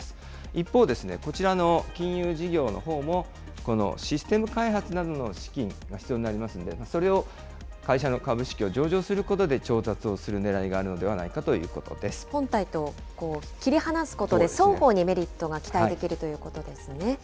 一方、こちらの金融事業のほうも、このシステム開発などの資金が必要になりますので、それを会社の株式を上場することで調達をするねらいがあるのでは本体と切り離すことで、双方にメリットが期待できるということですね。